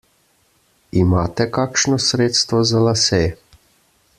Imate kakšno sredstvo za lase?